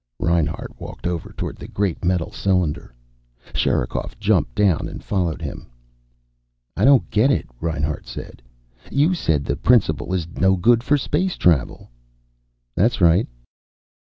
Reinhart walked over toward the great metal cylinder. Sherikov jumped down and followed him. "I don't get it," Reinhart said. "You said the principle is no good for space travel." "That's right."